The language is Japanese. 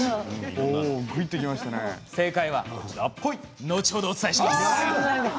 正解は後ほどお伝えします。